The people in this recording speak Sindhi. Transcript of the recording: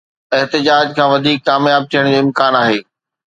احتجاج کان وڌيڪ ڪامياب ٿيڻ جو امڪان آهي.